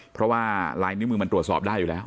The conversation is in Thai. เพราะว่าลายนิ้วมือมันตรวจสอบได้อยู่แล้ว